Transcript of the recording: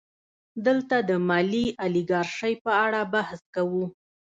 دلته د مالي الیګارشۍ په اړه بحث کوو